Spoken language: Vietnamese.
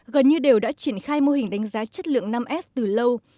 gần như đều đã triển khai mô hình đánh giá chất lượng năm s từ lâu